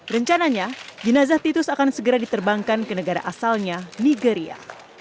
rencananya jenazah titus akan segera diterbangkan ke negara asalnya nigeria